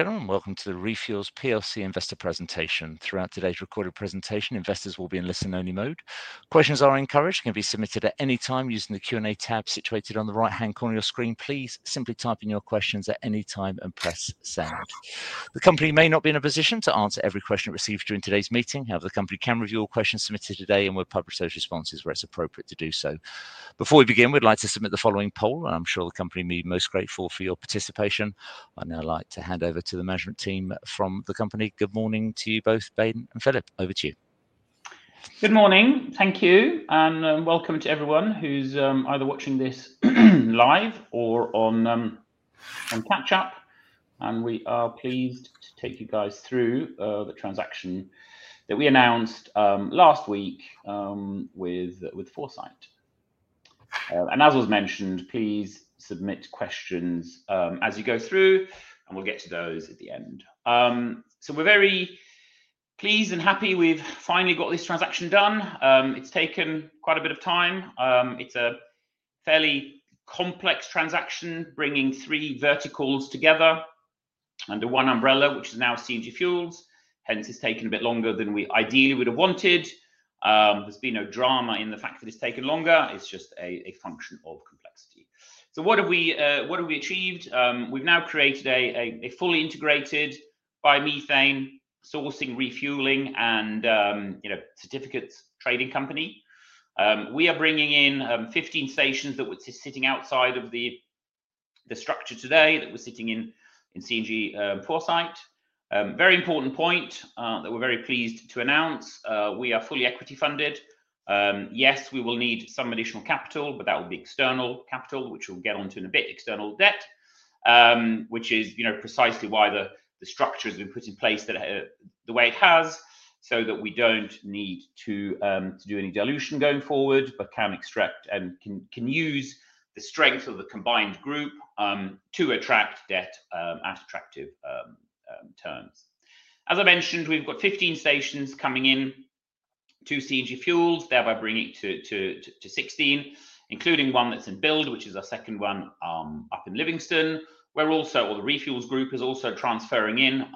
Gentlemen, welcome to the ReFuels PLC Investor Presentation. Throughout today's recorded presentation, investors will be in listen-only mode. Questions are encouraged and can be submitted at any time using the Q&A tab situated on the right-hand corner of your screen. Please simply type in your questions at any time and press send. The company may not be in a position to answer every question it receives during today's meeting. However, the company can review all questions submitted today and will publish those responses where it is appropriate to do so. Before we begin, we would like to submit the following poll, and I am sure the company will be most grateful for your participation. I would now like to hand over to the management team from the company. Good morning to you both, Baden and Philip. Over to you. Good morning. Thank you, and welcome to everyone who's either watching this live or on catch-up. We are pleased to take you guys through the transaction that we announced last week with Foresight. As was mentioned, please submit questions as you go through, and we'll get to those at the end. We are very pleased and happy we've finally got this transaction done. It's taken quite a bit of time. It's a fairly complex transaction bringing three verticals together under one umbrella, which is now CNG Fuels. Hence, it's taken a bit longer than we ideally would have wanted. There's been no drama in the fact that it's taken longer. It's just a function of complexity. What have we achieved? We've now created a fully integrated biomethane sourcing, refueling, and certificates trading company. We are bringing in 15 stations that were sitting outside of the structure today that were sitting in CNG Foresight. Very important point that we're very pleased to announce. We are fully equity funded. Yes, we will need some additional capital, but that will be external capital, which we'll get on to in a bit, external debt, which is precisely why the structure has been put in place the way it has, so that we don't need to do any dilution going forward, but can extract and can use the strength of the combined group to attract debt at attractive terms. As I mentioned, we've got 15 stations coming in to CNG Fuels, thereby bringing it to 16, including one that's in build, which is our second one up in Livingston, where also the ReFuels Group is also transferring in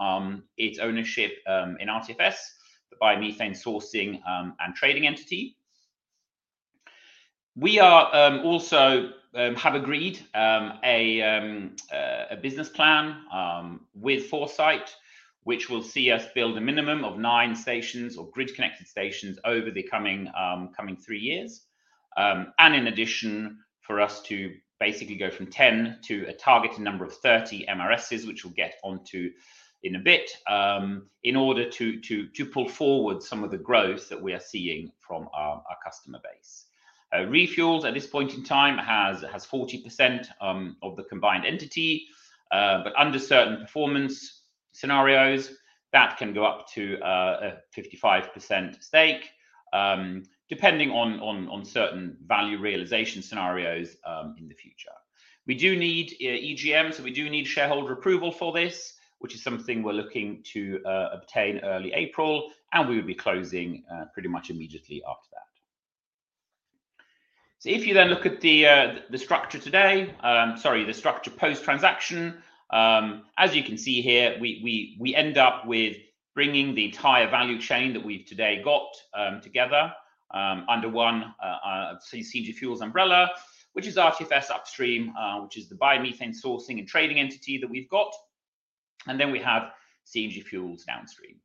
its ownership in RTFS, the biomethane sourcing and trading entity. We also have agreed a business plan with Foresight, which will see us build a minimum of nine stations or grid-connected stations over the coming three years. In addition, for us to basically go from 10 to a targeted number of 30 MRSs, which we'll get on to in a bit, in order to pull forward some of the growth that we are seeing from our customer base. ReFuels at this point in time has 40% of the combined entity, but under certain performance scenarios, that can go up to a 55% stake, depending on certain value realization scenarios in the future. We do need EGM, so we do need shareholder approval for this, which is something we're looking to obtain early April, and we will be closing pretty much immediately after that. If you then look at the structure today, sorry, the structure post-transaction, as you can see here, we end up with bringing the entire value chain that we've today got together under one CNG Fuels umbrella, which is RTFS upstream, which is the biomethane sourcing and trading entity that we've got. Then we have CNG Fuels downstream.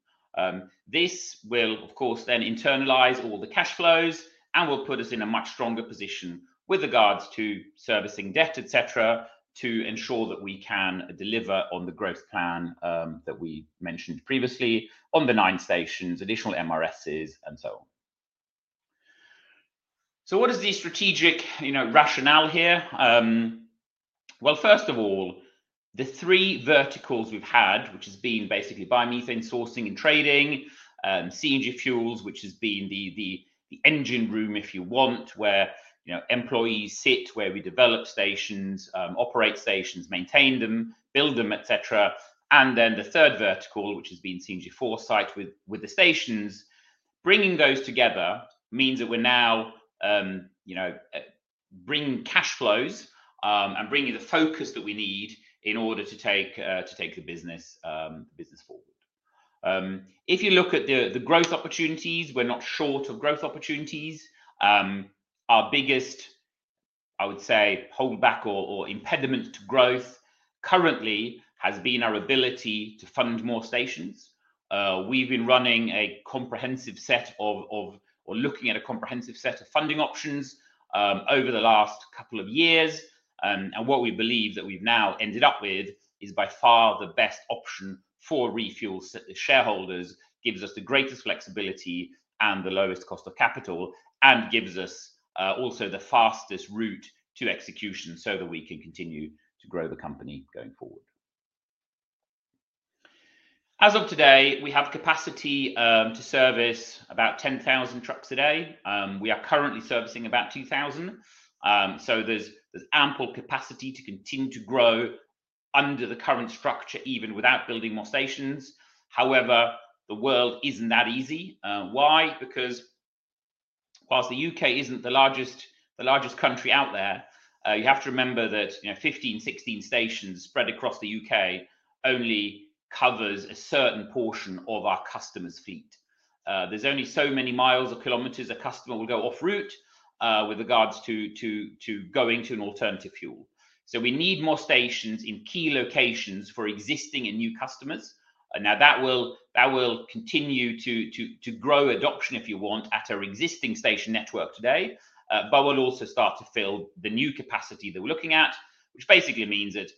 This will, of course, then internalize all the cash flows and will put us in a much stronger position with regards to servicing debt, etc., to ensure that we can deliver on the growth plan that we mentioned previously on the nine stations, additional MRSs, and so on. What is the strategic rationale here? First of all, the three verticals we've had, which has been basically biomethane sourcing and trading, CNG Fuels, which has been the engine room, if you want, where employees sit, where we develop stations, operate stations, maintain them, build them, etc. The third vertical, which has been CNG Foresight with the stations, bringing those together means that we're now bringing cash flows and bringing the focus that we need in order to take the business forward. If you look at the growth opportunities, we're not short of growth opportunities. Our biggest, I would say, holdback or impediment to growth currently has been our ability to fund more stations. We've been running a comprehensive set of or looking at a comprehensive set of funding options over the last couple of years. What we believe that we've now ended up with is by far the best option for ReFuels shareholders, gives us the greatest flexibility and the lowest cost of capital, and gives us also the fastest route to execution so that we can continue to grow the company going forward. As of today, we have capacity to service about 10,000 trucks a day. We are currently servicing about 2,000. There is ample capacity to continue to grow under the current structure, even without building more stations. However, the world is not that easy. Why? Because whilst the U.K. is not the largest country out there, you have to remember that 15, 16 stations spread across the U.K. only covers a certain portion of our customers' fleet. There are only so many miles or kilometers a customer will go off route with regards to going to an alternative fuel. We need more stations in key locations for existing and new customers. That will continue to grow adoption, if you want, at our existing station network today, but will also start to fill the new capacity that we're looking at, which basically means that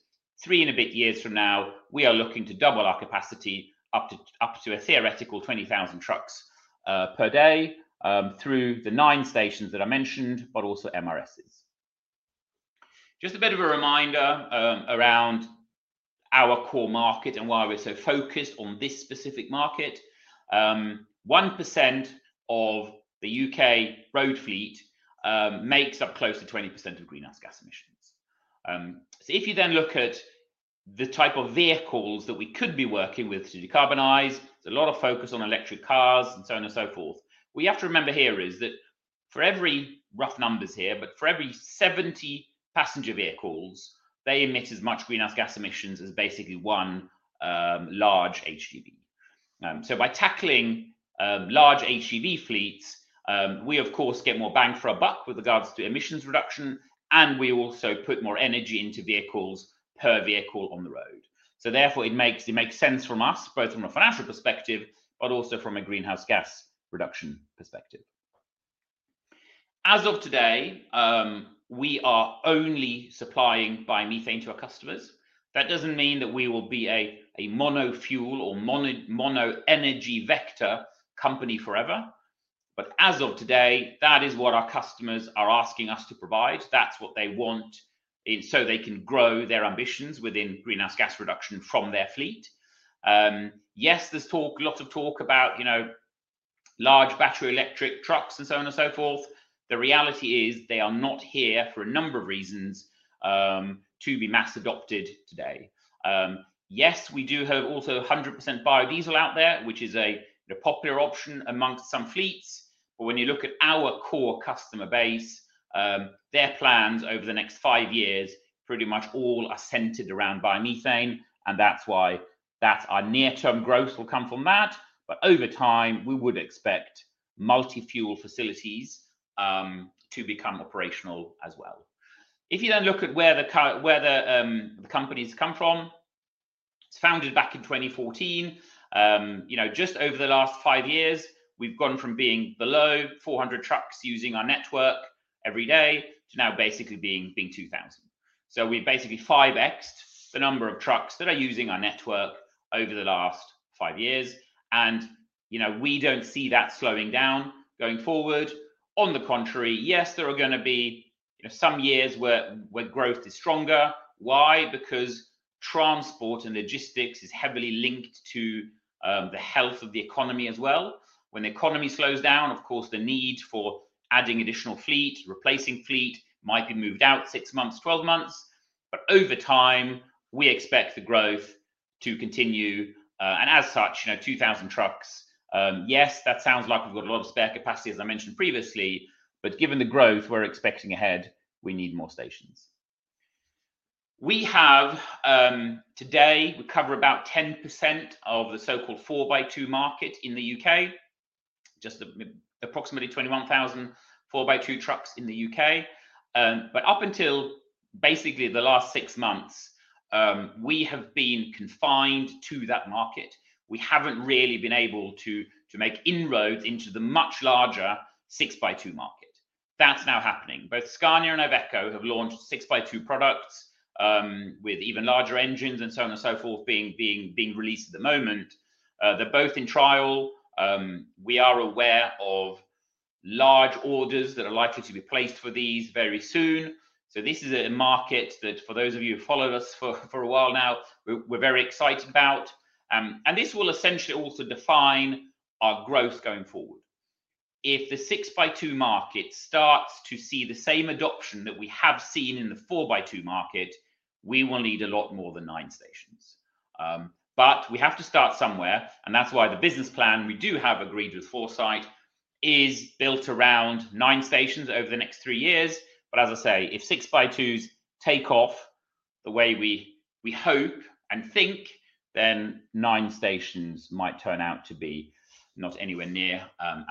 three and a bit years from now, we are looking to double our capacity up to a theoretical 20,000 trucks per day through the nine stations that I mentioned, but also MRSs. Just a bit of a reminder around our core market and why we're so focused on this specific market. 1% of the U.K. road fleet makes up close to 20% of greenhouse gas emissions. If you then look at the type of vehicles that we could be working with to decarbonize, there's a lot of focus on electric cars and so on and so forth. What we have to remember here is that for every, rough numbers here, but for every 70 passenger vehicles, they emit as much greenhouse gas emissions as basically one large HGV. By tackling large HGV fleets, we, of course, get more bang for our buck with regards to emissions reduction, and we also put more energy into vehicles per vehicle on the road. Therefore, it makes sense from us, both from a financial perspective, but also from a greenhouse gas reduction perspective. As of today, we are only supplying biomethane to our customers. That does not mean that we will be a monofuel or monoenergy vector company forever. As of today, that is what our customers are asking us to provide. That is what they want so they can grow their ambitions within greenhouse gas reduction from their fleet. Yes, there's lots of talk about large battery electric trucks and so on and so forth. The reality is they are not here for a number of reasons to be mass adopted today. Yes, we do have also 100% biodiesel out there, which is a popular option amongst some fleets. When you look at our core customer base, their plans over the next five years pretty much all are centered around biomethane, and that's why our near-term growth will come from that. Over time, we would expect multi-fuel facilities to become operational as well. If you then look at where the company's come from, it's founded back in 2014. Just over the last five years, we've gone from being below 400 trucks using our network every day to now basically being 2,000. We have basically 5x'd the number of trucks that are using our network over the last five years. We do not see that slowing down going forward. On the contrary, yes, there are going to be some years where growth is stronger. Why? Because transport and logistics is heavily linked to the health of the economy as well. When the economy slows down, of course, the need for adding additional fleet, replacing fleet might be moved out six months, 12 months. Over time, we expect the growth to continue. As such, 2,000 trucks, yes, that sounds like we have a lot of spare capacity, as I mentioned previously. Given the growth we are expecting ahead, we need more stations. We have today, we cover about 10% of the so-called 4x2 market in the U.K., just approximately 21,000 4x2 trucks in the U.K. Up until basically the last six months, we have been confined to that market. We have not really been able to make inroads into the much larger 6x2 market. That is now happening. Both Scania and Iveco have launched 6x2 products with even larger engines and so on and so forth being released at the moment. They are both in trial. We are aware of large orders that are likely to be placed for these very soon. This is a market that, for those of you who followed us for a while now, we are very excited about. This will essentially also define our growth going forward. If the 6x2 market starts to see the same adoption that we have seen in the 4x2 market, we will need a lot more than nine stations. We have to start somewhere. That is why the business plan we do have agreed with Foresight is built around nine stations over the next three years. As I say, if 6x2s take off the way we hope and think, then nine stations might turn out to be not anywhere near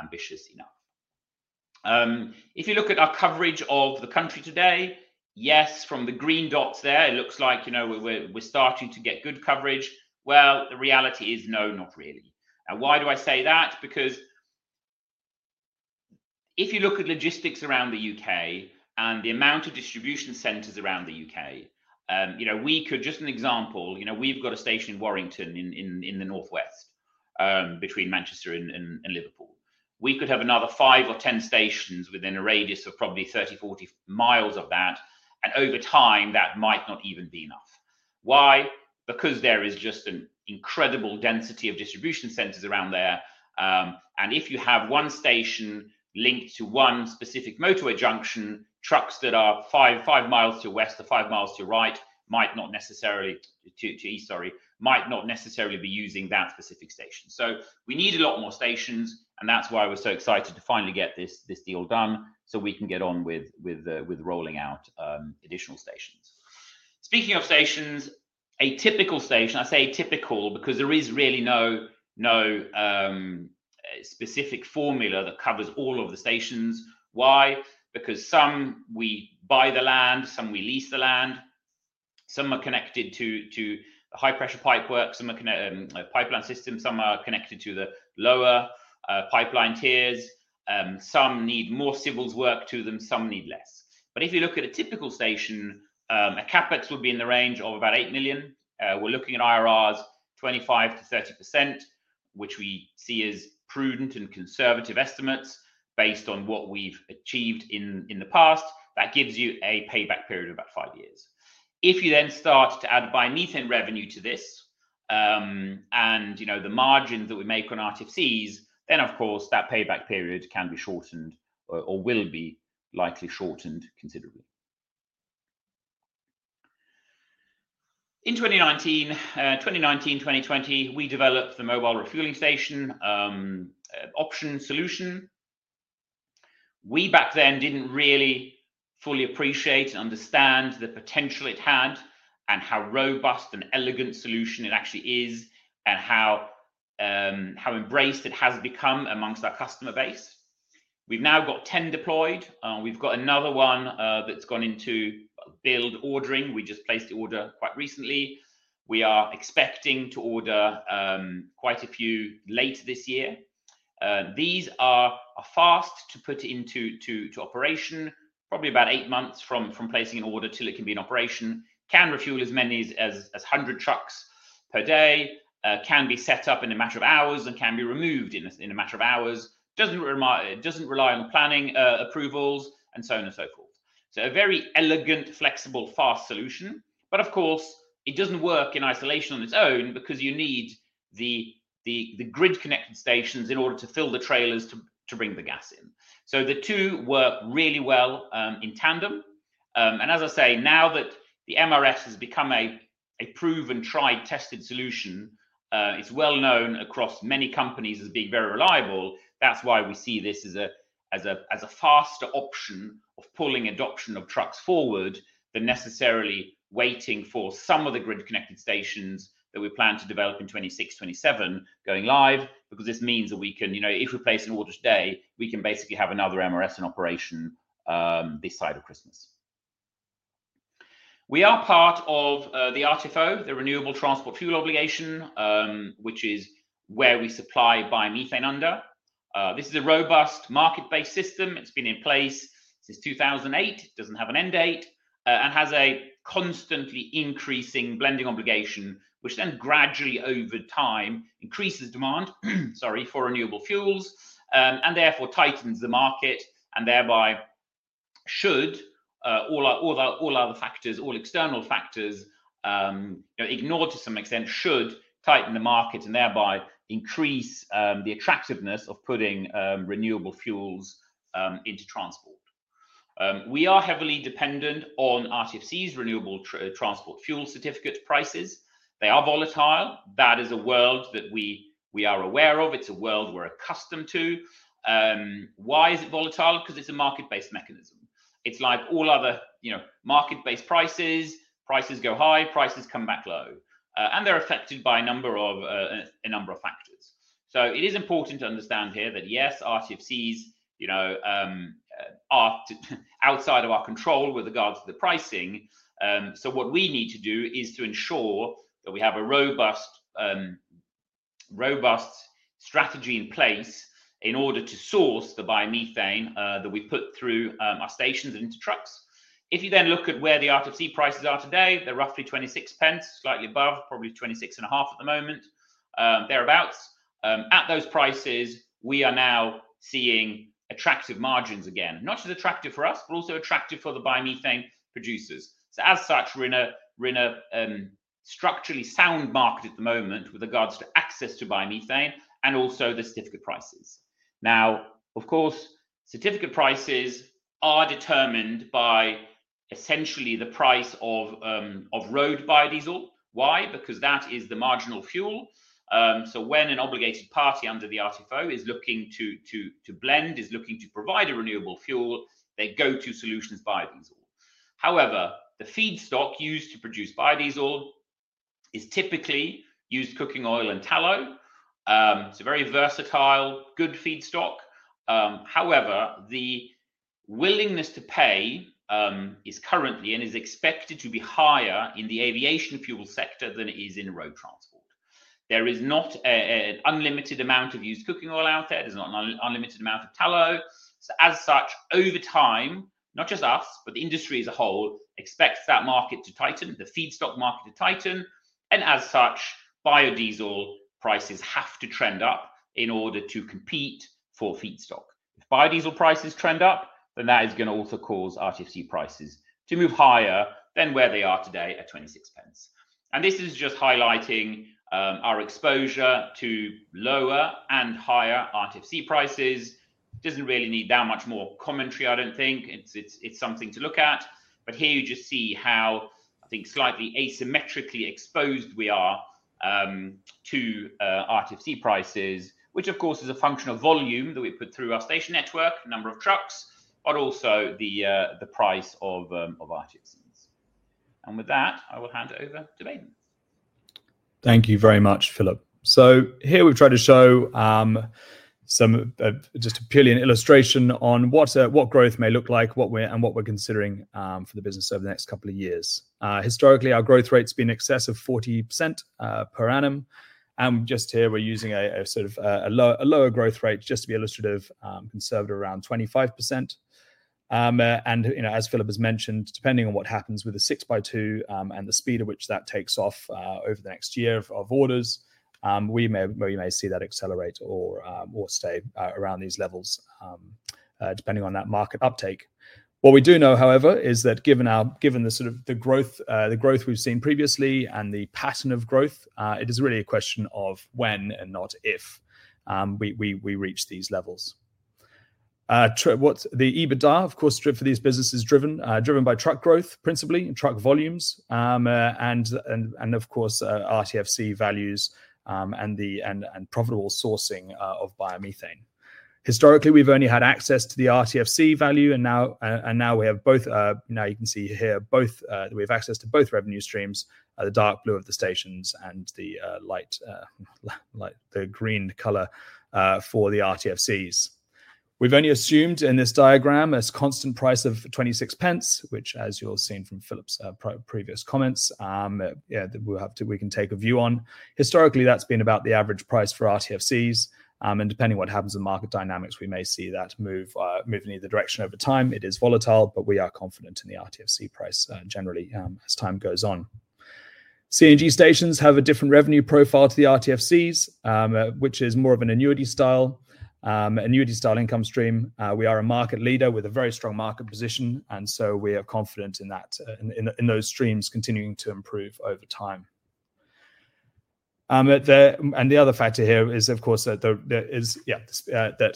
ambitious enough. If you look at our coverage of the country today, yes, from the green dots there, it looks like we're starting to get good coverage. The reality is no, not really. Why do I say that? Because if you look at logistics around the U.K. and the amount of distribution centers around the U.K., we could, just an example, we've got a station in Warrington in the northwest between Manchester and Liverpool. We could have another five or 10 stations within a radius of probably 30-40 mi of that. Over time, that might not even be enough. Why? Because there is just an incredible density of distribution centers around there. If you have one station linked to one specific motorway junction, trucks that are 5 mi to the west or 5 mi to the east, sorry, might not necessarily be using that specific station. We need a lot more stations. That is why we are so excited to finally get this deal done so we can get on with rolling out additional stations. Speaking of stations, a typical station, I say typical because there is really no specific formula that covers all of the stations. Why? Because some we buy the land, some we lease the land. Some are connected to high-pressure pipework, some are pipeline systems, some are connected to the lower pipeline tiers. Some need more civils work to them, some need less. If you look at a typical station, CapEx would be in the range of about 8 million. We're looking at IRRs 25%-30%, which we see as prudent and conservative estimates based on what we've achieved in the past. That gives you a payback period of about five years. If you then start to add biomethane revenue to this and the margins that we make on RTFCs, that payback period can be shortened or will be likely shortened considerably. In 2019, 2020, we developed the mobile refueling station option solution. We back then did not really fully appreciate and understand the potential it had and how robust and elegant a solution it actually is and how embraced it has become amongst our customer base. We've now got 10 deployed. We've got another one that's gone into build ordering. We just placed the order quite recently. We are expecting to order quite a few later this year. These are fast to put into operation, probably about eight months from placing an order till it can be in operation. Can refuel as many as 100 trucks per day, can be set up in a matter of hours and can be removed in a matter of hours. Does not rely on planning approvals and so on and so forth. A very elegant, flexible, fast solution. Of course, it does not work in isolation on its own because you need the grid-connected stations in order to fill the trailers to bring the gas in. The two work really well in tandem. As I say, now that the MRS has become a proven tried-tested solution, it is well known across many companies as being very reliable. That's why we see this as a faster option of pulling adoption of trucks forward than necessarily waiting for some of the grid-connected stations that we plan to develop in 2026, 2027 going live. Because this means that we can, if we place an order today, we can basically have another MRS in operation this side of Christmas. We are part of the RTFO, the Renewable Transport Fuel Obligation, which is where we supply biomethane under. This is a robust market-based system. It's been in place since 2008. It doesn't have an end date and has a constantly increasing blending obligation, which then gradually over time increases demand, sorry, for renewable fuels and therefore tightens the market and thereby should all other factors, all external factors, ignored to some extent, should tighten the market and thereby increase the attractiveness of putting renewable fuels into transport. We are heavily dependent on RTFCs, Renewable Transport Fuel Certificate prices. They are volatile. That is a world that we are aware of. It's a world we're accustomed to. Why is it volatile? Because it's a market-based mechanism. It's like all other market-based prices. Prices go high, prices come back low. They are affected by a number of factors. It is important to understand here that, yes, RTFCs are outside of our control with regards to the pricing. What we need to do is to ensure that we have a robust strategy in place in order to source the biomethane that we put through our stations and into trucks. If you then look at where the RTFC prices are today, they're roughly 0.26, slightly above, probably 0.265 at the moment, thereabouts. At those prices, we are now seeing attractive margins again, not just attractive for us, but also attractive for the biomethane producers. As such, we're in a structurally sound market at the moment with regards to access to biomethane and also the certificate prices. Now, of course, certificate prices are determined by essentially the price of road biodiesel. Why? Because that is the marginal fuel. When an obligated party under the RTFO is looking to blend, is looking to provide a renewable fuel, they go to solutions biodiesel. However, the feedstock used to produce biodiesel is typically used cooking oil and tallow. It's a very versatile, good feedstock. However, the willingness to pay is currently and is expected to be higher in the aviation fuel sector than it is in road transport. There is not an unlimited amount of used cooking oil out there. There's not an unlimited amount of tallow. As such, over time, not just us, but the industry as a whole expects that market to tighten, the feedstock market to tighten. As such, biodiesel prices have to trend up in order to compete for feedstock. If biodiesel prices trend up, that is going to also cause RTFC prices to move higher than where they are today at 0.26. This is just highlighting our exposure to lower and higher RTFC prices. Doesn't really need that much more commentary, I don't think. It's something to look at. Here you just see how, I think, slightly asymmetrically exposed we are to RTFC prices, which, of course, is a function of volume that we put through our station network, number of trucks, but also the price of RTFCs. With that, I will hand over to Baden. Thank you very much, Philip. Here we have tried to show just a purely an illustration on what growth may look like and what we are considering for the business over the next couple of years. Historically, our growth rate has been in excess of 40% per annum. Here, we are using a sort of a lower growth rate just to be illustrative, conservative around 25%. As Philip has mentioned, depending on what happens with the 6x2 and the speed at which that takes off over the next year of orders, we may see that accelerate or stay around these levels depending on that market uptake. What we do know, however, is that given the sort of growth we have seen previously and the pattern of growth, it is really a question of when and not if we reach these levels. The EBITDA, of course, for these businesses is driven by truck growth, principally, and truck volumes. Of course, RTFC values and profitable sourcing of biomethane. Historically, we've only had access to the RTFC value. Now we have both, now you can see here, we have access to both revenue streams, the dark blue of the stations and the green color for the RTFCs. We've only assumed in this diagram a constant price of 0.26, which, as you'll see from Philip's previous comments, we can take a view on. Historically, that's been about the average price for RTFCs. Depending on what happens in market dynamics, we may see that move in either direction over time. It is volatile, but we are confident in the RTFC price generally as time goes on. CNG stations have a different revenue profile to the RTFCs, which is more of an annuity style, annuity style income stream. We are a market leader with a very strong market position. We are confident in those streams continuing to improve over time. The other factor here is, of course, that the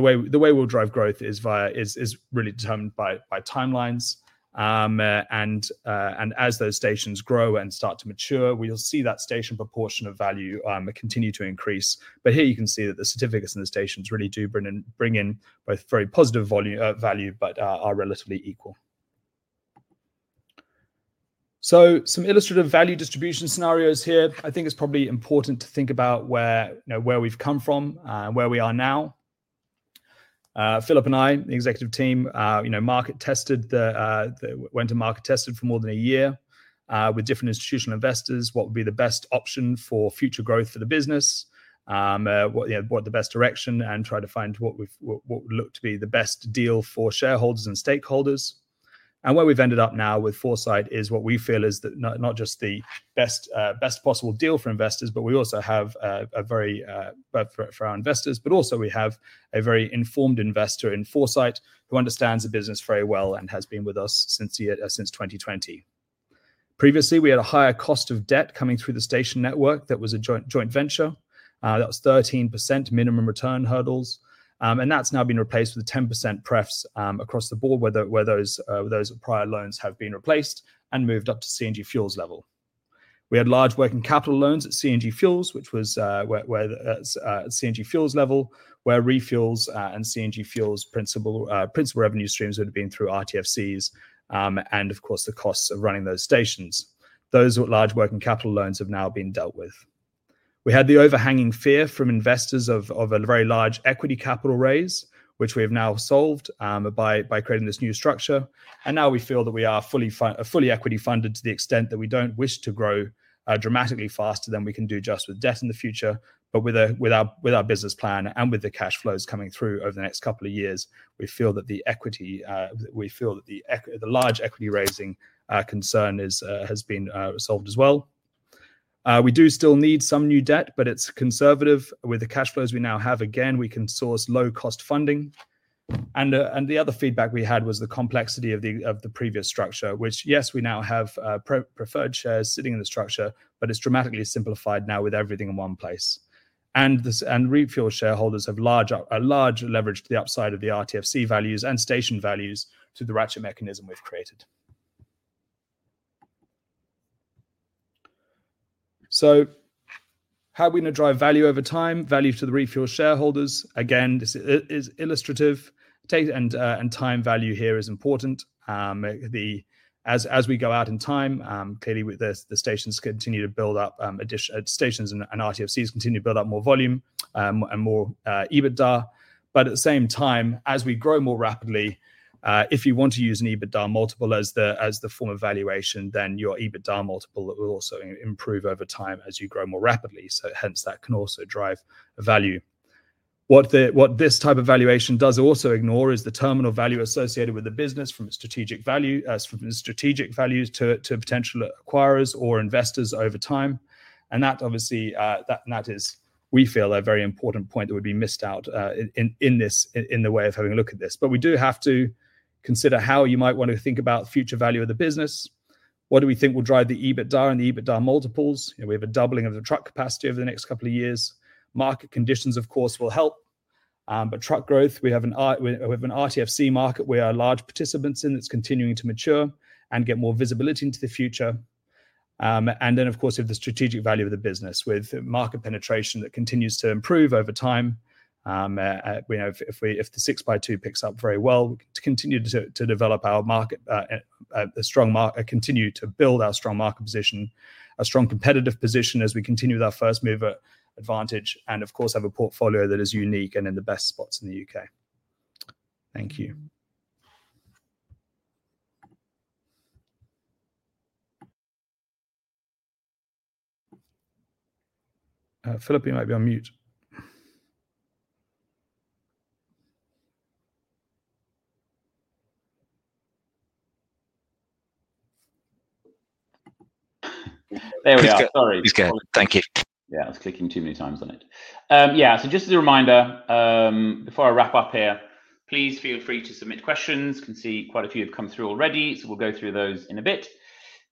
way we'll drive growth is really determined by timelines. As those stations grow and start to mature, we'll see that station proportion of value continue to increase. Here you can see that the certificates and the stations really do bring in both very positive value, but are relatively equal. Some illustrative value distribution scenarios here. I think it's probably important to think about where we've come from and where we are now. Philip and I, the executive team, went to market tested for more than a year with different institutional investors. What would be the best option for future growth for the business? What the best direction and try to find what would look to be the best deal for shareholders and stakeholders. Where we have ended up now with Foresight is what we feel is not just the best possible deal for investors, but we also have a very, both for our investors, but also we have a very informed investor in Foresight who understands the business very well and has been with us since 2020. Previously, we had a higher cost of debt coming through the station network that was a joint venture. That was 13% minimum return hurdles. That has now been replaced with a 10% prefs across the board where those prior loans have been replaced and moved up to CNG Fuels level. We had large working capital loans at CNG Fuels, which was at CNG Fuels level, where ReFuels and CNG Fuels principal revenue streams would have been through RTFCs and, of course, the costs of running those stations. Those large working capital loans have now been dealt with. We had the overhanging fear from investors of a very large equity capital raise, which we have now solved by creating this new structure. We feel that we are fully equity funded to the extent that we do not wish to grow dramatically faster than we can do just with debt in the future. With our business plan and with the cash flows coming through over the next couple of years, we feel that the large equity raising concern has been resolved as well. We do still need some new debt, but it is conservative. With the cash flows we now have, again, we can source low-cost funding. The other feedback we had was the complexity of the previous structure, which, yes, we now have preferred shares sitting in the structure, but it is dramatically simplified now with everything in one place. ReFuels shareholders have large leverage to the upside of the RTFC values and station values through the ratchet mechanism we have created. How are we going to drive value over time? Value to the ReFuels shareholders. Again, this is illustrative. Time value here is important. As we go out in time, clearly, the stations continue to build up, stations and RTFCs continue to build up more volume and more EBITDA. At the same time, as we grow more rapidly, if you want to use an EBITDA multiple as the form of valuation, then your EBITDA multiple will also improve over time as you grow more rapidly. Hence, that can also drive value. What this type of valuation does also ignore is the terminal value associated with the business from strategic values to potential acquirers or investors over time. That, obviously, we feel is a very important point that would be missed out in the way of having a look at this. We do have to consider how you might want to think about future value of the business. What do we think will drive the EBITDA and the EBITDA multiples? We have a doubling of the truck capacity over the next couple of years. Market conditions, of course, will help. Truck growth, we have an RTFC market we are large participants in that's continuing to mature and get more visibility into the future. Of course, we have the strategic value of the business with market penetration that continues to improve over time. If the 6x2 picks up very well, we continue to develop our market, continue to build our strong market position, a strong competitive position as we continue with our first mover advantage and, of course, have a portfolio that is unique and in the best spots in the U.K. Thank you. Philip, you might be on mute. There we are. Sorry. He's good. Thank you. Yeah, I was clicking too many times on it. Yeah, just as a reminder, before I wrap up here, please feel free to submit questions. Can see quite a few have come through already, so we'll go through those in a bit.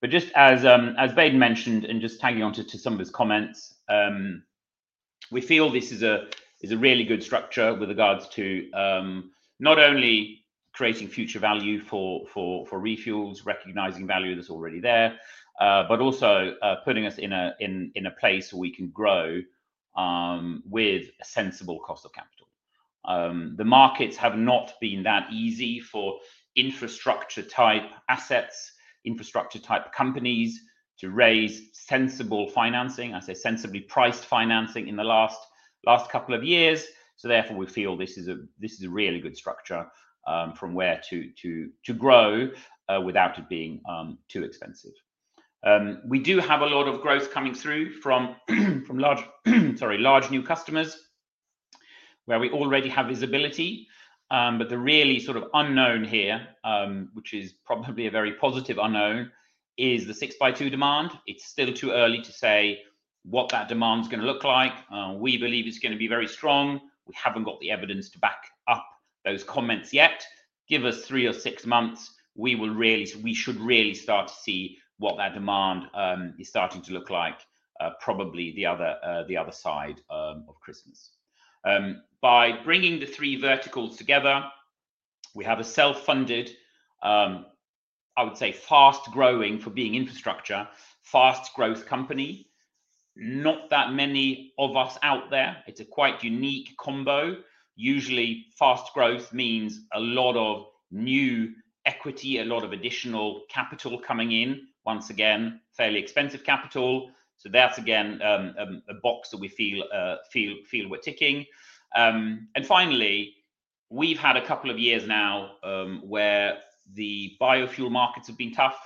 Just as Baden mentioned and just tagging onto some of his comments, we feel this is a really good structure with regards to not only creating future value for ReFuels, recognizing value that's already there, but also putting us in a place where we can grow with a sensible cost of capital. The markets have not been that easy for infrastructure-type assets, infrastructure-type companies to raise sensible financing, I say sensibly priced financing in the last couple of years. Therefore, we feel this is a really good structure from where to grow without it being too expensive. We do have a lot of growth coming through from large, sorry, large new customers where we already have visibility. The really sort of unknown here, which is probably a very positive unknown, is the 6x2 demand. It's still too early to say what that demand's going to look like. We believe it's going to be very strong. We haven't got the evidence to back up those comments yet. Give us three or six months. We should really start to see what that demand is starting to look like, probably the other side of Christmas. By bringing the three verticals together, we have a self-funded, I would say fast-growing for being infrastructure, fast-growth company. Not that many of us out there. It's a quite unique combo. Usually, fast growth means a lot of new equity, a lot of additional capital coming in. Once again, fairly expensive capital. That's again a box that we feel we're ticking. Finally, we've had a couple of years now where the biofuel markets have been tough.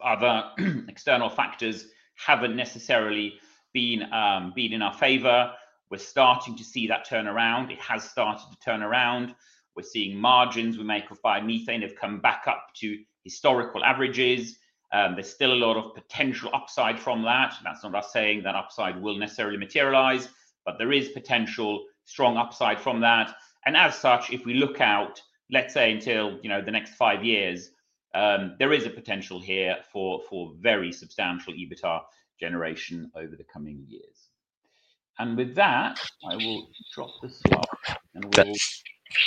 Other external factors have not necessarily been in our favor. We're starting to see that turn around. It has started to turn around. We're seeing margins we make off biomethane have come back up to historical averages. There's still a lot of potential upside from that. That's not us saying that upside will necessarily materialize, but there is potential strong upside from that. As such, if we look out, let's say until the next five years, there is a potential here for very substantial EBITDA generation over the coming years. With that, I will drop the slide and we'll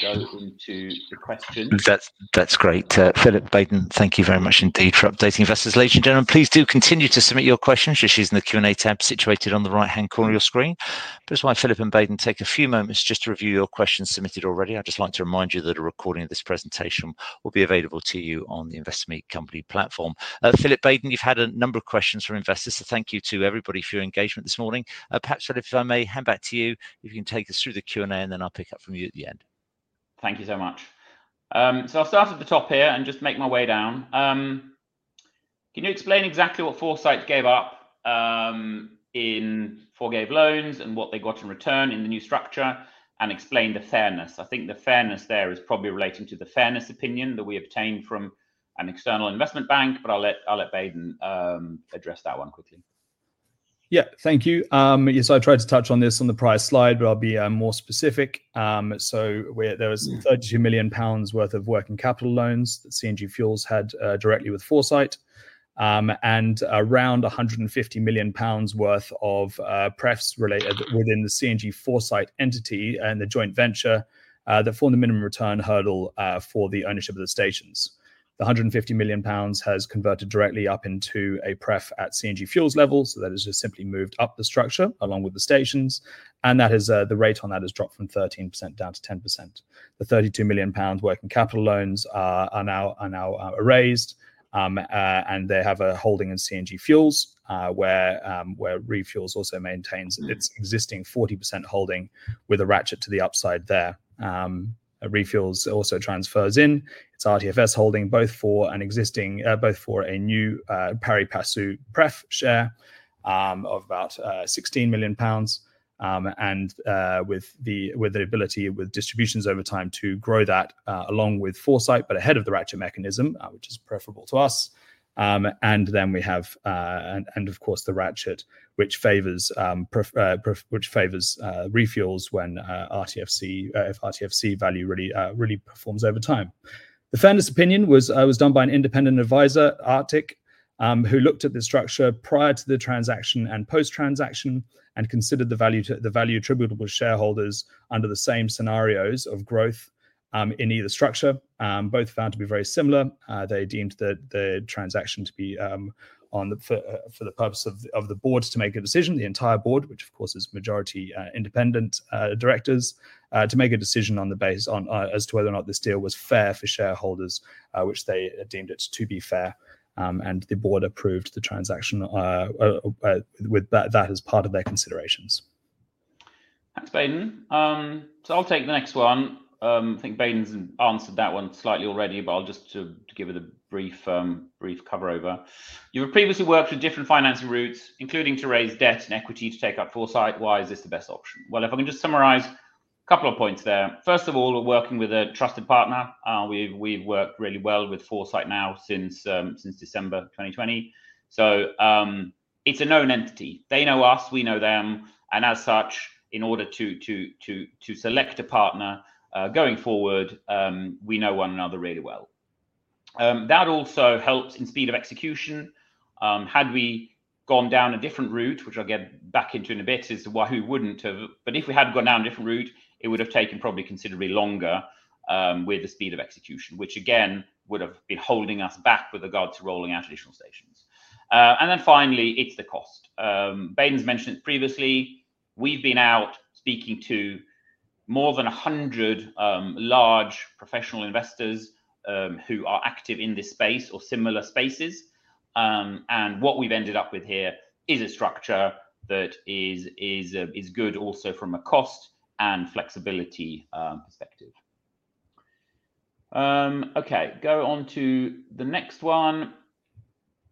go into the questions. That's great. Philip, Baden, thank you very much indeed for updating investors. Ladies and gentlemen, please do continue to submit your questions. Using in the Q&A tab situated on the right-hand corner of your screen. As well, Philip and Baden take a few moments just to review your questions submitted already. I'd just like to remind you that a recording of this presentation will be available to you on the Investor Meet Company platform. Philip, Baden, you've had a number of questions from investors. Thank you to everybody for your engagement this morning. Perhaps, Philip, if I may hand back to you, if you can take us through the Q&A and then I'll pick up from you at the end. Thank you so much. I will start at the top here and just make my way down. Can you explain exactly what Foresight gave up in forgave loans and what they got in return in the new structure and explain the fairness? I think the fairness there is probably relating to the fairness opinion that we obtained from an external investment bank, but I'll let Baden address that one quickly. Yeah, thank you. I tried to touch on this on the prior slide, but I'll be more specific. There was 32 million pounds worth of working capital loans that CNG Fuels had directly with Foresight and around 150 million pounds worth of prefs related within the CNG Foresight entity and the joint venture that formed the minimum return hurdle for the ownership of the stations. The 150 million pounds has converted directly up into a pref at CNG Fuels level. That has just simply moved up the structure along with the stations. The rate on that has dropped from 13% down to 10%. The 32 million pounds working capital loans are now raised, and they have a holding in CNG Fuels where ReFuels also maintains its existing 40% holding with a ratchet to the upside there. ReFuels also transfers in its RTFS holding both for an existing, both for a new pari-passu pref share of about 16 million pounds and with the ability with distributions over time to grow that along with Foresight, but ahead of the ratchet mechanism, which is preferable to us. Of course, the ratchet, which favors ReFuels when RTFC value really performs over time. The fairness opinion was done by an independent advisor, Arctic, who looked at the structure prior to the transaction and post-transaction and considered the value attributable to shareholders under the same scenarios of growth in either structure. Both found to be very similar. They deemed the transaction to be for the purpose of the board to make a decision, the entire board, which of course is majority independent directors, to make a decision on the base as to whether or not this deal was fair for shareholders, which they deemed it to be fair. The board approved the transaction with that as part of their considerations. Thanks, Baden. I'll take the next one. I think Baden's answered that one slightly already, but I'll just give it a brief cover over. You've previously worked with different financing routes, including to raise debt and equity to take up Foresight. Why is this the best option? If I can just summarize a couple of points there. First of all, we're working with a trusted partner. We've worked really well with Foresight now since December 2020. It's a known entity. They know us, we know them. As such, in order to select a partner going forward, we know one another really well. That also helps in speed of execution. Had we gone down a different route, which I'll get back into in a bit, is why we wouldn't have. If we had gone down a different route, it would have taken probably considerably longer with the speed of execution, which again would have been holding us back with regard to rolling out additional stations. Finally, it's the cost. Baden's mentioned it previously. We've been out speaking to more than 100 large professional investors who are active in this space or similar spaces. What we've ended up with here is a structure that is good also from a cost and flexibility perspective. Okay, go on to the next one.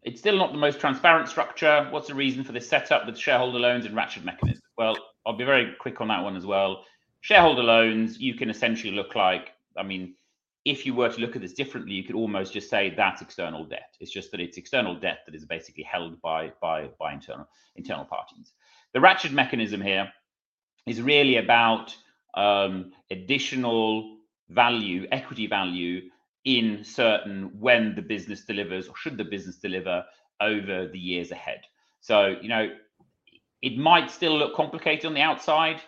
It's still not the most transparent structure. What's the reason for this setup with shareholder loans and ratchet mechanism? I'll be very quick on that one as well. Shareholder loans, you can essentially look like, I mean, if you were to look at this differently, you could almost just say that's external debt. It's just that it's external debt that is basically held by internal parties. The ratchet mechanism here is really about additional value, equity value in certain when the business delivers or should the business deliver over the years ahead. It might still look complicated on the outside.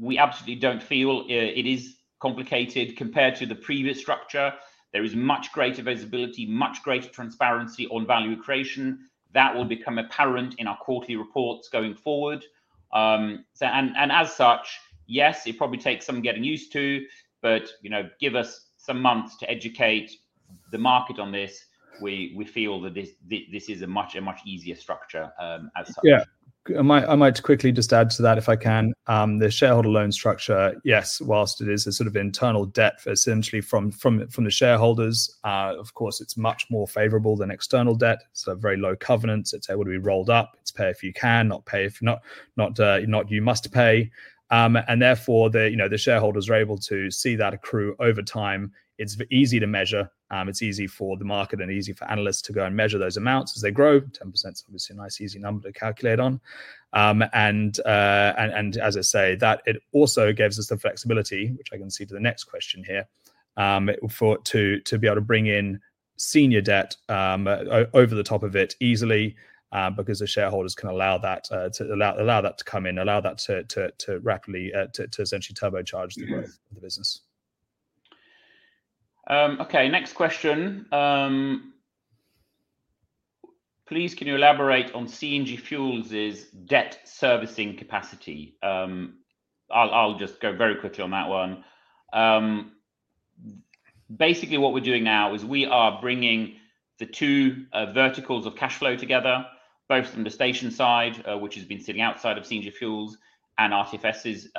We absolutely don't feel it is complicated compared to the previous structure. There is much greater visibility, much greater transparency on value creation. That will become apparent in our quarterly reports going forward. As such, yes, it probably takes some getting used to, but give us some months to educate the market on this. We feel that this is a much easier structure outside. Yeah. I might quickly just add to that if I can. The shareholder loan structure, yes, whilst it is a sort of internal debt essentially from the shareholders, of course, it's much more favorable than external debt. It's a very low covenant. It's able to be rolled up. It's pay if you can, not pay if you're not, not you must pay. Therefore, the shareholders are able to see that accrue over time. It's easy to measure. It's easy for the market and easy for analysts to go and measure those amounts as they grow. 10% is obviously a nice easy number to calculate on. As I say, it also gives us the flexibility, which I can see to the next question here, to be able to bring in senior debt over the top of it easily because the shareholders can allow that to come in, allow that to rapidly to essentially turbocharge the growth of the business. Okay, next question. Please can you elaborate on CNG Fuels' debt servicing capacity? I'll just go very quickly on that one. Basically, what we're doing now is we are bringing the two verticals of cash flow together, both from the station side, which has been sitting outside of CNG Fuels and RTFS's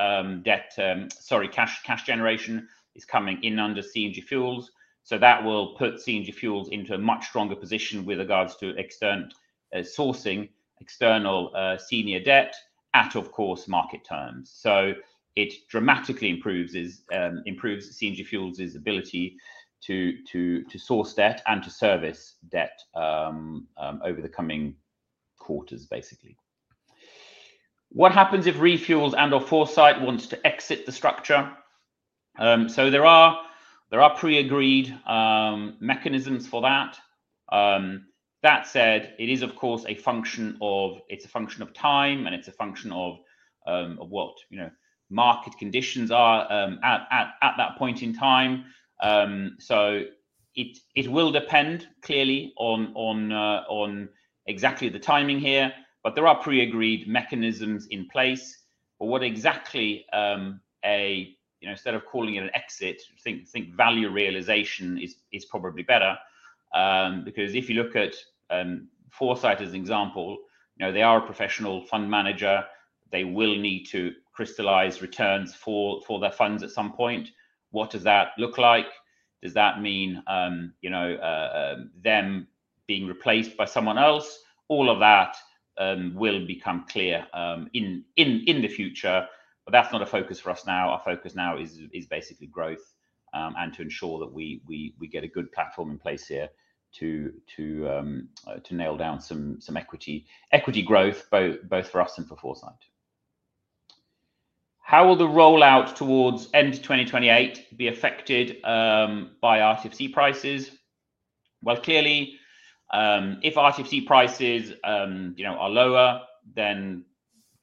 debt, sorry, cash generation is coming in under CNG Fuels. That will put CNG Fuels into a much stronger position with regards to external sourcing, external senior debt at, of course, market terms. It dramatically improves CNG Fuels' ability to source debt and to service debt over the coming quarters, basically. What happens if ReFuels and/or Foresight wants to exit the structure? There are pre-agreed mechanisms for that. That said, it is, of course, a function of, it's a function of time and it's a function of what market conditions are at that point in time. It will depend clearly on exactly the timing here, but there are pre-agreed mechanisms in place. What exactly, instead of calling it an exit, think value realization is probably better. Because if you look at Foresight as an example, they are a professional fund manager. They will need to crystallize returns for their funds at some point. What does that look like? Does that mean them being replaced by someone else? All of that will become clear in the future. That is not a focus for us now. Our focus now is basically growth and to ensure that we get a good platform in place here to nail down some equity growth, both for us and for Foresight. How will the rollout towards end 2028 be affected by RTFC prices? Clearly, if RTFC prices are lower, then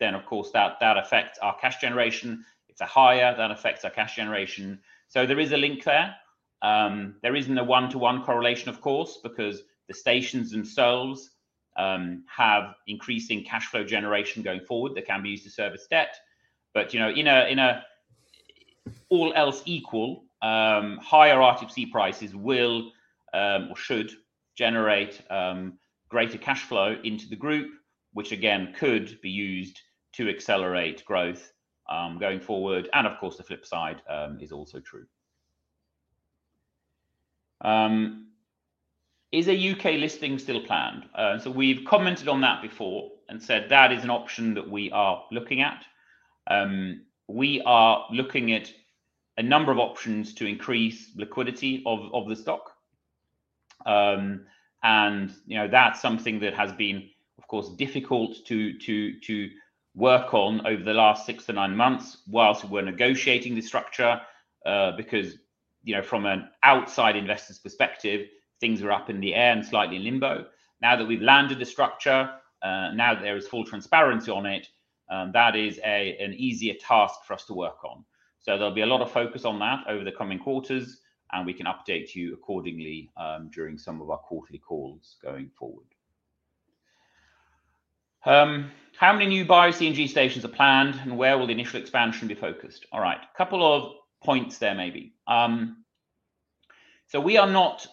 of course that affects our cash generation. If they are higher, that affects our cash generation. There is a link there. There is not a one-to-one correlation, of course, because the stations themselves have increasing cash flow generation going forward that can be used to service debt. All else equal, higher RTFC prices will or should generate greater cash flow into the group, which again could be used to accelerate growth going forward. Of course, the flip side is also true. Is a U.K. listing still planned? We have commented on that before and said that is an option that we are looking at. We are looking at a number of options to increase liquidity of the stock. That is something that has been, of course, difficult to work on over the last six to nine months whilst we are negotiating the structure because from an outside investor's perspective, things are up in the air and slightly in limbo. Now that we have landed the structure, now that there is full transparency on it, that is an easier task for us to work on. There will be a lot of focus on that over the coming quarters, and we can update you accordingly during some of our quarterly calls going forward. How many new Bio-CNG stations are planned and where will the initial expansion be focused? All right, a couple of points there maybe. We are not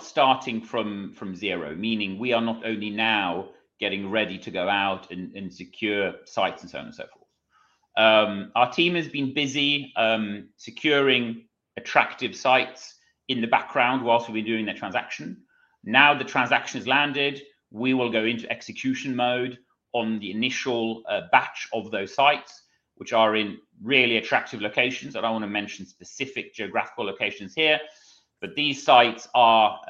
starting from zero, meaning we are not only now getting ready to go out and secure sites and so on and so forth. Our team has been busy securing attractive sites in the background whilst we've been doing that transaction. Now the transaction has landed, we will go into execution mode on the initial batch of those sites, which are in really attractive locations. I don't want to mention specific geographical locations here, but these sites are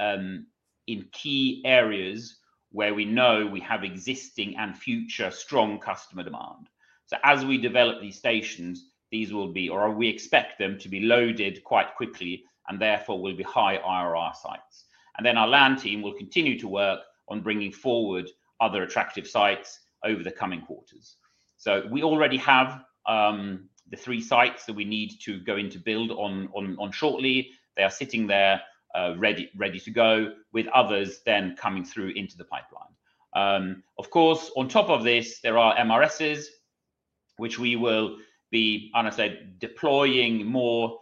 in key areas where we know we have existing and future strong customer demand. As we develop these stations, these will be, or we expect them to be loaded quite quickly and therefore will be high IRR sites. Our land team will continue to work on bringing forward other attractive sites over the coming quarters. We already have the three sites that we need to go into build on shortly. They are sitting there ready to go with others then coming through into the pipeline. Of course, on top of this, there are MRSs, which we will be, I'll say, deploying more,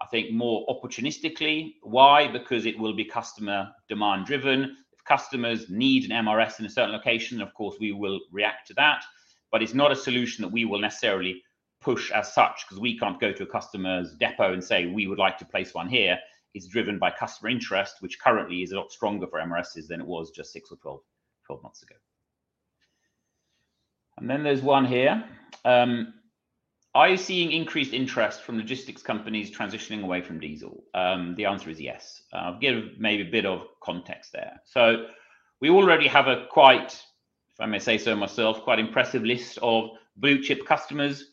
I think more opportunistically. Why? Because it will be customer demand driven. If customers need an MRS in a certain location, of course, we will react to that. It is not a solution that we will necessarily push as such because we can't go to a customer's depot and say, "We would like to place one here." It is driven by customer interest, which currently is a lot stronger for MRSs than it was just six or 12 months ago. There is one here. Are you seeing increased interest from logistics companies transitioning away from diesel? The answer is yes. I'll give maybe a bit of context there. We already have a quite, if I may say so myself, quite impressive list of blue chip customers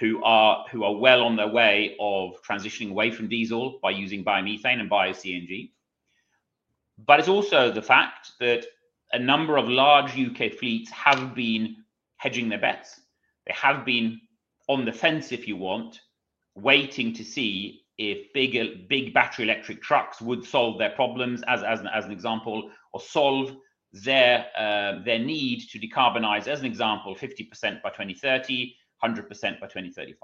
who are well on their way of transitioning away from diesel by using biomethane and Bio-CNG. It is also the fact that a number of large U.K. fleets have been hedging their bets. They have been on the fence, if you want, waiting to see if big battery electric trucks would solve their problems, as an example, or solve their need to decarbonize, as an example, 50% by 2030, 100% by 2035.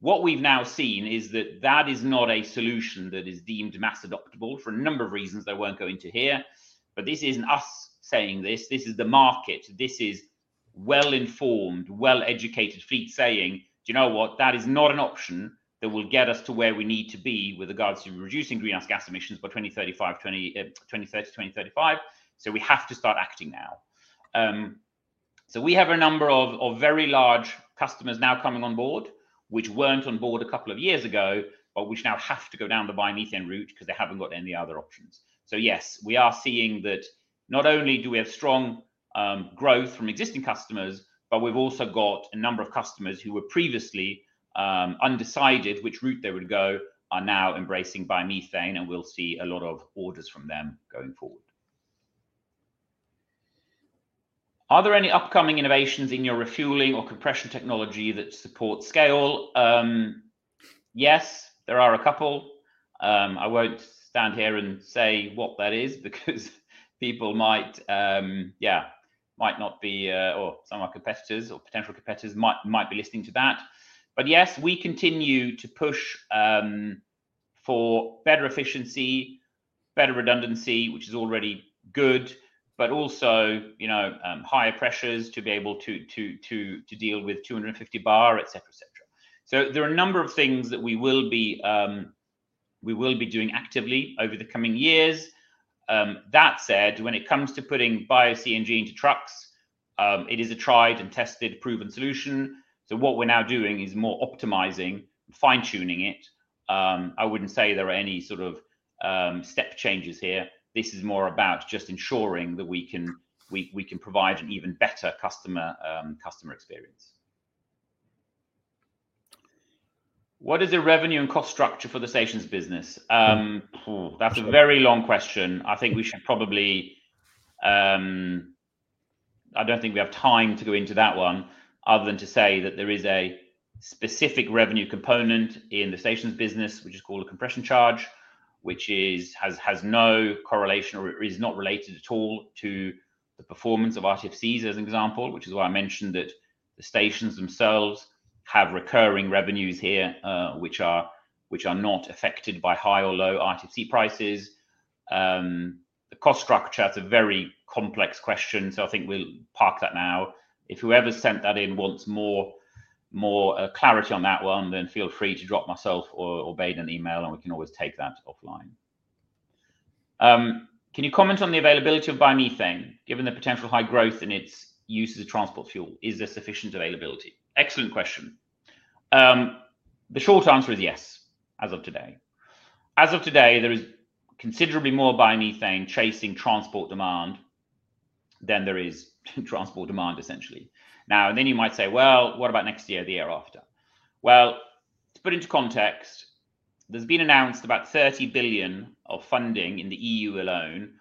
What we've now seen is that that is not a solution that is deemed mass adoptable for a number of reasons that I won't go into here. This isn't us saying this. This is the market. This is well-informed, well-educated fleet saying, "Do you know what? That is not an option that will get us to where we need to be with regards to reducing greenhouse gas emissions by 2030 to 2035. We have to start acting now. We have a number of very large customers now coming on board, which were not on board a couple of years ago, but which now have to go down the biomethane route because they have not got any other options. Yes, we are seeing that not only do we have strong growth from existing customers, but we have also got a number of customers who were previously undecided which route they would go are now embracing biomethane, and we will see a lot of orders from them going forward. Are there any upcoming innovations in your refueling or compression technology that support scale? Yes, there are a couple. I won't stand here and say what that is because people might, yeah, might not be, or some of our competitors or potential competitors might be listening to that. Yes, we continue to push for better efficiency, better redundancy, which is already good, but also higher pressures to be able to deal with 250 bar, etc., etc. There are a number of things that we will be doing actively over the coming years. That said, when it comes to putting Bio-CNG into trucks, it is a tried and tested, proven solution. What we're now doing is more optimizing, fine-tuning it. I wouldn't say there are any sort of step changes here. This is more about just ensuring that we can provide an even better customer experience. What is the revenue and cost structure for the station's business? That's a very long question. I think we should probably, I do not think we have time to go into that one other than to say that there is a specific revenue component in the station's business, which is called a compression charge, which has no correlation or is not related at all to the performance of RTFCs, as an example, which is why I mentioned that the stations themselves have recurring revenues here, which are not affected by high or low RTFC prices. The cost structure, that is a very complex question, so I think we will park that now. If whoever sent that in wants more clarity on that one, then feel free to drop myself or Baden an email, and we can always take that offline. Can you comment on the availability of biomethane given the potential high growth in its use as a transport fuel? Is there sufficient availability? Excellent question. The short answer is yes, as of today. As of today, there is considerably more biomethane chasing transport demand than there is transport demand, essentially. Now, you might say, "Well, what about next year, the year after?" To put into context, there has been announced about 30 billion of funding in the EU alone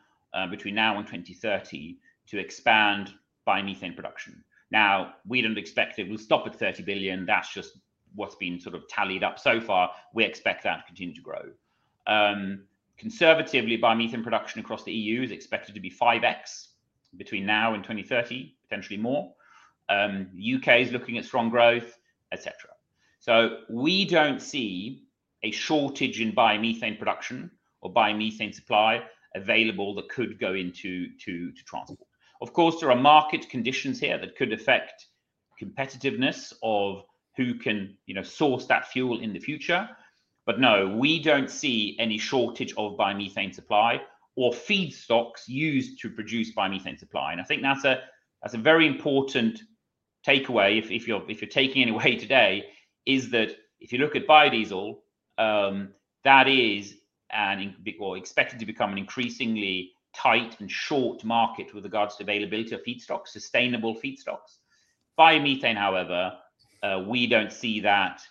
between now and 2030 to expand biomethane production. We do not expect it will stop at 30 billion. That is just what has been sort of tallied up so far. We expect that to continue to grow. Conservatively, biomethane production across the EU is expected to be 5x between now and 2030, potentially more. The U.K. is looking at strong growth, etc. We do not see a shortage in biomethane production or biomethane supply available that could go into transport. Of course, there are market conditions here that could affect competitiveness of who can source that fuel in the future. No, we do not see any shortage of biomethane supply or feedstocks used to produce biomethane supply. I think that is a very important takeaway if you are taking any away today, that if you look at biodiesel, that is expected to become an increasingly tight and short market with regards to availability of feedstocks, sustainable feedstocks. Biomethane, however, we do not see that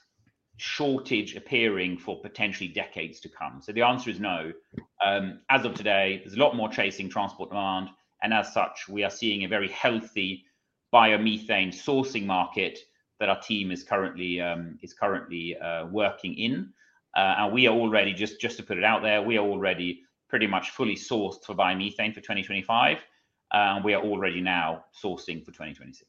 shortage appearing for potentially decades to come. The answer is no. As of today, there is a lot more chasing transport demand. As such, we are seeing a very healthy biomethane sourcing market that our team is currently working in. We are already, just to put it out there, we are already pretty much fully sourced for biomethane for 2025. We are already now sourcing for 2026.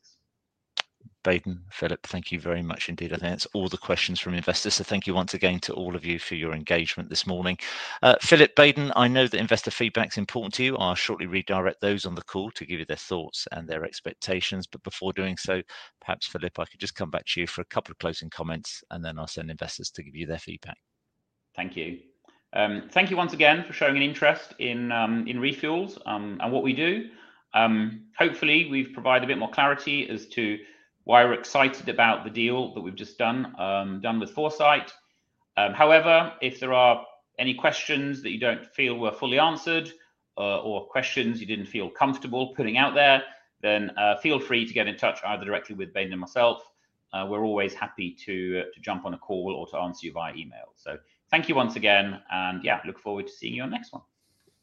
Baden, Philip, thank you very much indeed. I think that's all the questions from investors. Thank you once again to all of you for your engagement this morning. Philip, Baden, I know that investor feedback is important to you. I'll shortly redirect those on the call to give you their thoughts and their expectations. Before doing so, perhaps, Philip, I could just come back to you for a couple of closing comments, and then I'll send investors to give you their feedback. Thank you. Thank you once again for showing an interest in ReFuels and what we do. Hopefully, we've provided a bit more clarity as to why we're excited about the deal that we've just done with Foresight. However, if there are any questions that you do not feel were fully answered or questions you did not feel comfortable putting out there, then feel free to get in touch either directly with Baden and myself. We are always happy to jump on a call or to answer you via email. Thank you once again. Yeah, look forward to seeing you on the next one.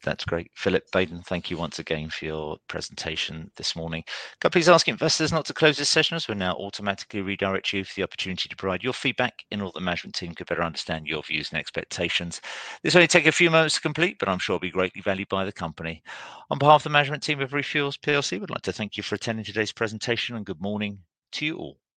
That is great. Philip, Baden, thank you once again for your presentation this morning. Could I please ask investors not to close this session as we will now automatically redirect you for the opportunity to provide your feedback in order that the management team could better understand your views and expectations. This will only take a few moments to complete, but I am sure it will be greatly valued by the company. On behalf of the management team of ReFuels, we'd like to thank you for attending today's presentation and good morning to you all.